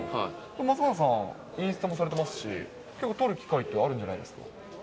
松原さんはインスタもされていますし、撮る機会ってあるんじゃないですか。